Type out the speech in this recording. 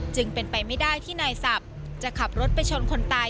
จึงเป็นไปไม่ได้ที่นายสับจะขับรถไปชนคนตาย